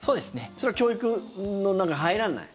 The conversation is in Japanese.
それは教育の中に入らない？